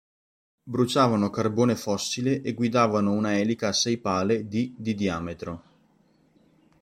Bruciavano carbone fossile e guidavano una elica a sei pale di di diametro.